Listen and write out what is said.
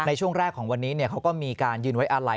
ในช่วงแรกของวันนี้เขาก็มีการยืนไว้อาลัย